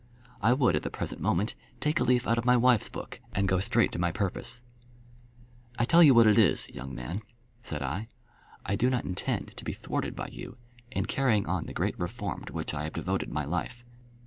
I would at the present moment take a leaf out of my wife's book and go straight to my purpose. "I tell you what it is, young man," said I; "I do not intend to be thwarted by you in carrying on the great reform to which I have devoted my life.